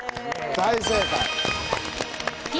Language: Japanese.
大正解。